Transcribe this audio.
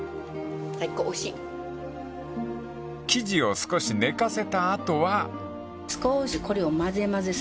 ［生地を少し寝かせた後は］